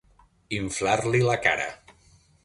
Inflar-li la cara.